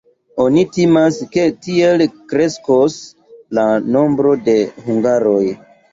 Oni timas, ke tiel kreskos la nombro de hungaroj.